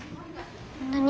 何？